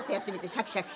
シャキシャキ。